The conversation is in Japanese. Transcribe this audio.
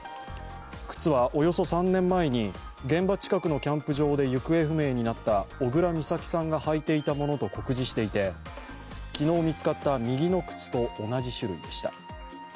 靴はおよそ３年前に現場近くのキャンプ場で行方不明になった小倉美咲さんが履いていたものと酷似していて、昨日見つかった右の靴と同じ種類でした。